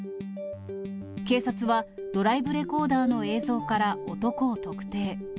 警察は、ドライブレコーダーの映像から男を特定。